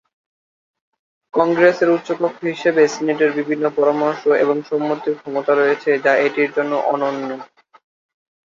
কংগ্রেসের উচ্চ কক্ষ হিসাবে, সিনেটের বিভিন্ন পরামর্শ এবং সম্মতির ক্ষমতা রয়েছে যা এটির জন্য অনন্য।